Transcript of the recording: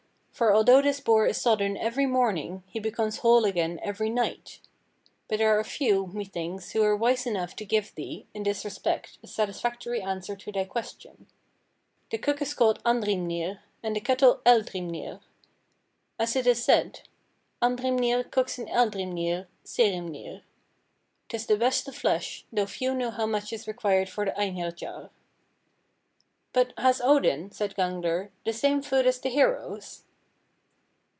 For although this boar is sodden every morning he becomes whole again every night. But there are few, methinks, who are wise enough to give thee, in this respect, a satisfactory answer to thy question. The cook is called Andhrimnir, and the kettle Eldhrimnir. As it is said, 'Andhrimnir cooks in Eldhrimnir, Sæhrimnir.' 'Tis the best of flesh, though few know how much is required for the Einherjar." "But has Odin," said Gangler, "the same food as the heroes?"